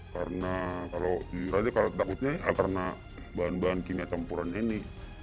karena kalau jujur aja kalau takutnya ya karena bahan bahan kimia campuran ini